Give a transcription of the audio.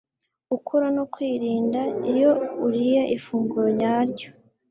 gukora no kwirinda.iyo uriye ifunguro nyaryo